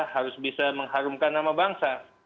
harus bisa mengharumkan nama bangsa